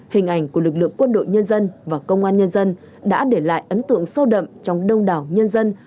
hình ảnh của lực lượng quân đội nhân dân và công an nhân dân đã để lại ấn tượng sâu đậm trong đông đảo nhân dân